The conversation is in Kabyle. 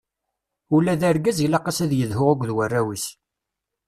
Ula d argaz ilaq-as ad yedhu akked warraw-is.